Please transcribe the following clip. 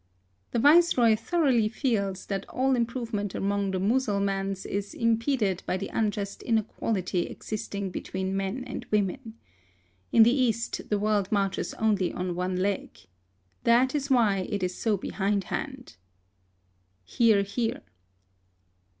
The Viceroy thoroughly feels that all improvement among the Mussulmans is impeded by the unjust inequality existing between man and woman.* In the East the world marches only on one leg. That is why it is so behindhand. (Hear, hear.